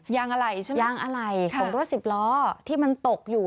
ยางอะไรยางอะไรของรถสิบล้อที่มันตกอยู่